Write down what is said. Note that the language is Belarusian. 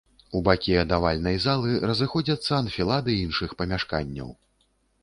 У бакі ад авальнай залы разыходзяцца анфілады іншых памяшканняў.